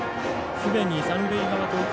すでに三塁側投球